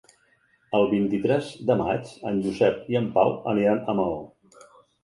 El vint-i-tres de maig en Josep i en Pau aniran a Maó.